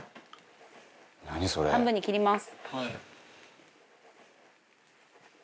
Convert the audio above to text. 半分に切ります。